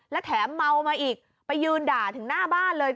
และแถมเมามาอีกไปยืนด่าถึงหน้าบ้านเลย